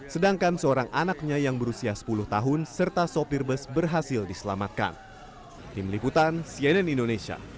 sedangkan seorang anaknya yang berusia sepuluh tahun serta sopir bus berhasil diselamatkan